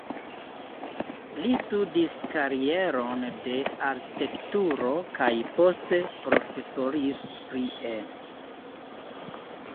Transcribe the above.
Li studis karieron de arkitekturo kaj poste profesoris prie.